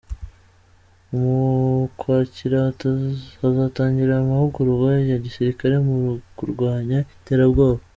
Mu Kwakira hazatangira amahugurwa ya gisirikare mu kurwanya iterabwoba